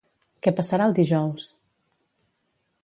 Què passarà el dijous?